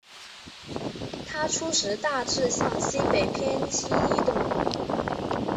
它初时大致向西北偏西移动。